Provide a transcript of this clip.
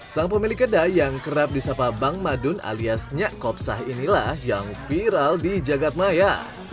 sang pemilik kedai yang kerap disapa bang madun alias nyak kopsah inilah yang viral di jagadmaya